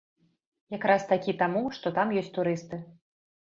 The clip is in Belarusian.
Як раз такі таму, што там ёсць турысты.